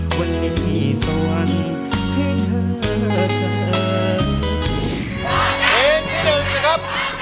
วันนี้สวรรค์ให้เธอเวิร์น